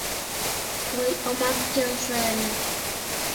— Ой, омак келше ыле.